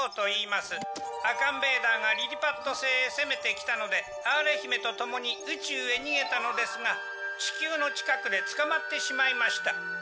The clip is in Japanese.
アカンベーダーがリリパット星へ攻めてきたのでアーレ姫とともに宇宙へ逃げたのですが地球の近くで捕まってしまいました。